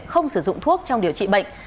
không sử dụng thuốc trong điều trị bệnh